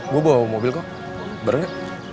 gue bawa mobil kok barangnya